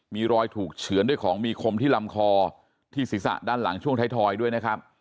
มีรอยถูกเฉือนด้วยของมีคมที่ลำคอที่ศีรษะด้านหลังช่วงท้ายทอยด้วยนะครับ